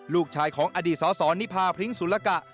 ลูกชายของอดีตสสนิพาพริ้งสุรกะ